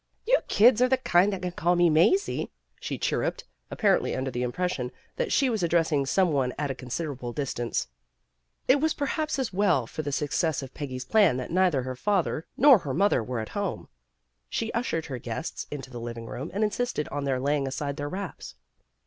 "You kids are the kind that can call me Mazie," she chirruped, ap parently under the impression that she was ad dressing some one at a considerable distance. It was perhaps as well for the success of Peggy's plan tha t neither her father nor her 222 PEGGY RAYMOND'S WAY mother were at home. She ushered her guests into the living room and insisted on their laying aside their wraps.